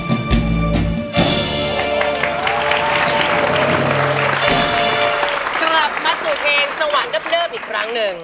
สวัสดีครับมาสู่เพลงสวรรค์เลิฟอีกครั้งหนึ่ง